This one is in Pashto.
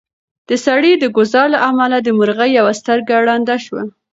د سړي د ګوزار له امله د مرغۍ یوه سترګه ړنده شوه.